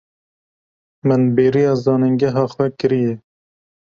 Min bêriya zanîngeha xwe kiriye.